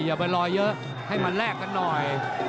อย่าไปรอเยอะให้มาแลกกันหน่อย